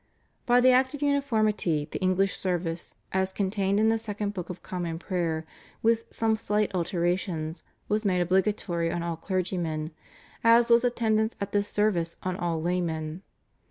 By the Act of Uniformity the English service, as contained in the Second Book of Common Prayer with some slight alterations, was made obligatory on all clergymen, as was attendance at this service on all laymen.